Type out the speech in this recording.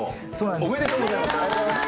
おめでとうございます。